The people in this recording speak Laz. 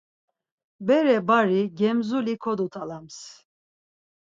Bere-bari gemzuli kodut̆alams.